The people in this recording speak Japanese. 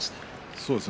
そうですね。